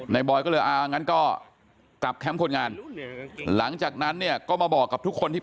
บอยก็เลยอ่างั้นก็กลับแคมป์คนงานหลังจากนั้นเนี่ยก็มาบอกกับทุกคนที่